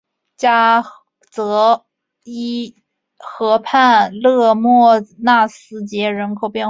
加泽伊河畔勒莫纳斯捷人口变化图示